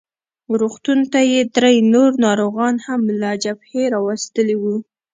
روغتون ته یې درې نور ناروغان هم له جبهې راوستلي وو.